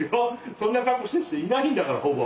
そんな格好してる人いないんだからほぼ。